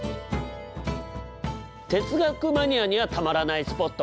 哲学マニアにはたまらないスポットが目の前に！